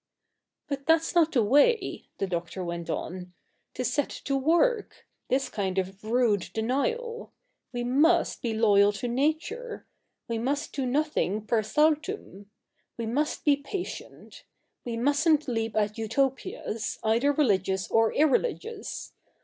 ' But that's not the way,' the Doctor went on, ' to set to work — this kind of rude denial. We must be loyal to CH. i] THE NEW REPUBLIC 205 nature. We must do nothing per saltum. We must be patient. We mustn't leap at Utopias, either religious or irreligious.